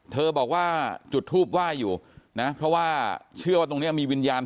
บอกว่าจุดทูปไหว้อยู่นะเพราะว่าเชื่อว่าตรงนี้มีวิญญาณ